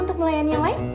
untuk melayani yang lain